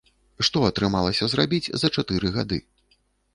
Што атрымалася зрабіць за чатыры гады?